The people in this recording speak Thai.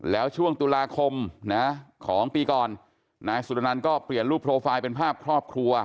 แล้วช่วงตุลาคมนะของปีก่อนนายสุรนันต์ก็เปลี่ยนรูปโปรไฟล์เป็นภาพครอบครัว